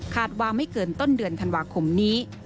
ว่าไม่เกินต้นเดือนธันวาคมนี้